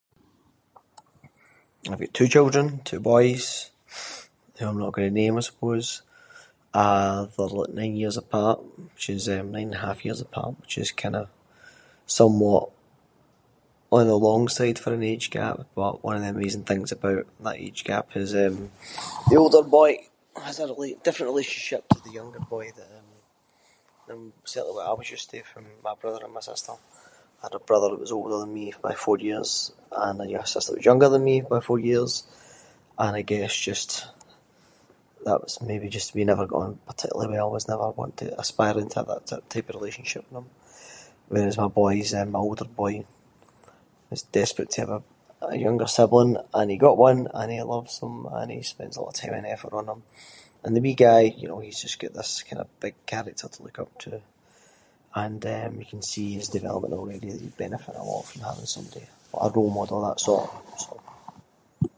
I’ve got two children, two boys, who I’m not going to name I suppose. Ah, they’re like nine years apart, which is- eh nine and a half years apart- which is kind of somewhat on the long side for an age gap. But one of the amazing things about that age gap is eh, the older boy has a really different relationship to the younger boy than- than certainly what I was used to from my brother and my sister. I had a brother that was older than me by four years and a y- sister that was younger than me by four years, and I guess just that was maybe just- we never got on particularly well, was never wanting to aspire to that type of relationship with them. Whereas my boys- eh my older boy was desperate to have a younger sibling, and he got one, and he loves him, and he spends a lot of time and effort on him. And the wee guy, you know, he’s just got this kind of big character to look up to. And eh you can see his development already, that he benefits a lot from having somebody- a role model that sort of- sort of-